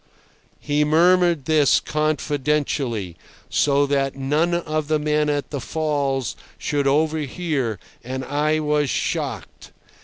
He murmured this confidentially, so that none of the men at the falls should overhear, and I was shocked.